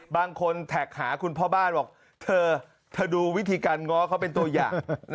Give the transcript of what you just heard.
บางคนแท็กหาคุณพ่อบ้านบอกถ้าดูวิธีการง้อเขาเป็นตัวอย่าง